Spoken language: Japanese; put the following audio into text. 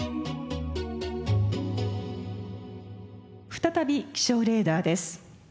再び気象レーダーです。